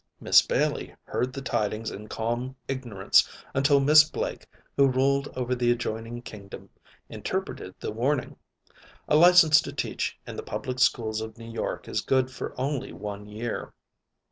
Miss Bailey heard the tidings in calm ignorance until Miss Blake, who ruled over the adjoining kingdom, interpreted the warning. A license to teach in the public schools of New York is good for only one year.